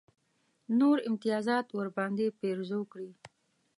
نور امتیازات ورباندې پېرزو کړي.